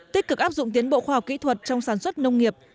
tích cực áp dụng tiến bộ khoa học kỹ thuật trong sản xuất nông nghiệp